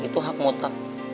itu hak mutlak